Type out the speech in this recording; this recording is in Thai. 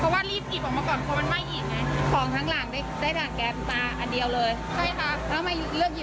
ตัวเองไม่เป็นไรอย่างไร